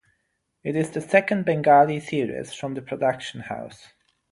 It is the second Bengali series from the production house.